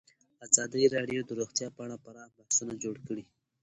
ازادي راډیو د روغتیا په اړه پراخ بحثونه جوړ کړي.